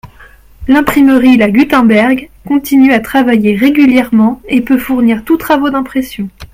L'IMPRIMERIE La Gutenberg continue à travailler régulièrement et peut fournir tous travaux d'impression.